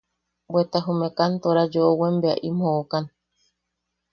Bweta jume kantooram yoʼowem bea i m joʼakan.